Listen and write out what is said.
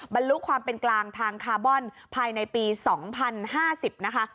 บรรลุความเป็นกลางทางคาร์บอนภายในปี๒๐๕๐นะคะ